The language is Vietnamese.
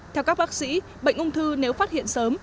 theo các bác sĩ bệnh ung thư nếu phát hiện sớm